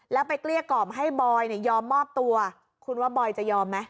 แล้วไปเกลี้ยกล่อมให้บอยเนี่ยยอมมอบตัวคุณว่าบอยจะยอมไหม